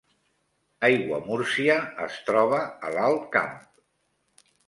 Aiguamúrcia es troba l’Alt Camp